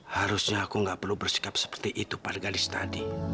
harusnya aku gak perlu bersikap seperti itu pada galis tadi